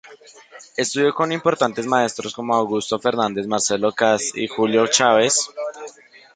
Estudió con importantes maestros como Augusto Fernandes, Marcelo Katz y Julio Chávez.